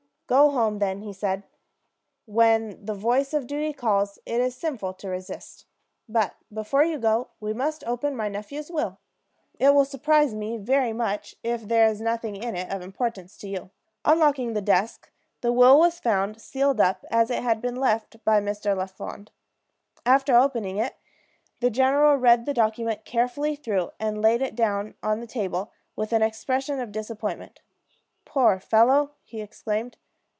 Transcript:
"Go home, then," said he. "When the voice of Duty calls, it is sinful to resist. But before you go, we must open my nephew's will. It will surprise me very much if there is nothing in it of importance to you." Unlocking the desk, the will was found sealed up as it had been left by Mr. Lafond. After opening it, the general read the document carefully through, and laid it down on the table with an expression of disappointment. "Poor fellow!" he exclaimed.